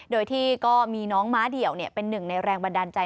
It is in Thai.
โดยที่ก็มีน้องม้าเดี่ยวเป็นหนึ่งในแรงบันดาลใจ